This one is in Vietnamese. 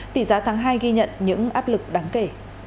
tỷ giá tháng hai ghi nhận những áp lực đáng kể